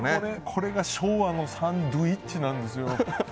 これが昭和のサンドゥイッチなんですよ。